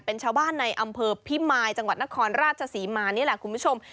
เป็นชาวบ้านในอำเภอพิมายจังหวัดนครราชศรีมานี่แหละคุณผู้ชม